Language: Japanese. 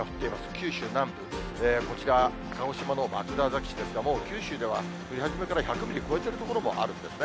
九州南部、こちら、鹿児島の枕崎市ですが、もう九州では降り始めから１００ミリ超えている所もあるんですね。